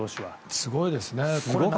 すごいですね。